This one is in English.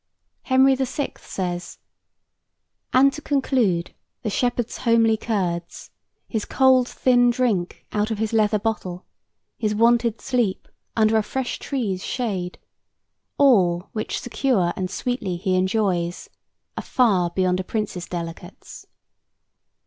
Henry VI. says: "And to conclude, the shepherd's homely curds, His cold thin drink out of his leather bottle, His wonted sleep under a fresh tree's shade, All which secure and sweetly he enjoys, Are far beyond a prince's delicates."